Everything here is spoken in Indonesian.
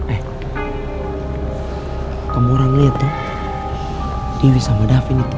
eh kamu orangnya tuh dewi sama davin itu